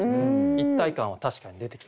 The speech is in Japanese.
一体感は確かに出てきますね。